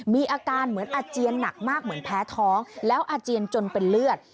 มีอาการเหมือนอาเจียนหนักมากเหมือนแพ้ท้องแล้วอาเจียนจนเป็นเลือด